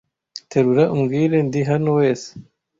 Terura umbwire ndi hano wese